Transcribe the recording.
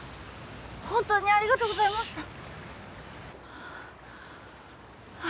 本当にありがとうございましたいえ